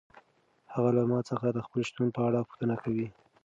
هغه له ما څخه د خپل شتون په اړه پوښتنه کوي.